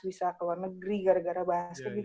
bisa keluar negeri gara gara basket